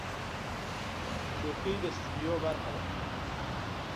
چوکۍ د سټوډیو برخه ده.